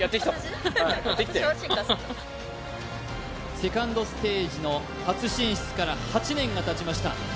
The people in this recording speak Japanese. セカンドステージの初進出から８年がたちました